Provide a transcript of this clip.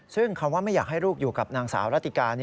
ซึ่งคำว่าไม่อยากให้ลูกอยู่กับนางสาวรัติกา